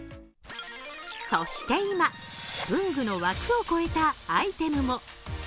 そして今、文具の枠を超えたアイテムも。